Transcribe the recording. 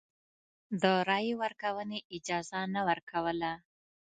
د رایې ورکونې اجازه نه ورکوله.